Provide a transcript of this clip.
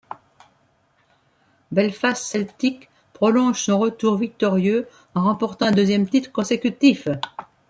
Belfast Celtic prolonge son retour victorieux en remportant un deuxième titre consécutif.